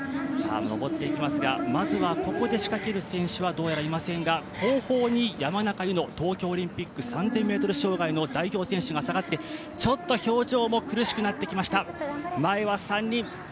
上っていきますがまずはここで仕掛ける選手はどうやらいませんが、後方に山中柚乃東京オリンピック３０００ｍ障害の代表選手が下がってちょっと表情も苦しくなってきました。